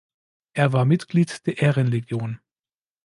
Er war Mitglied der Ehrenlegion.